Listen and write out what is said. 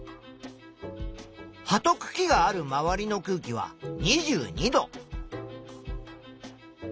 葉とくきがある周りの空気は２２度。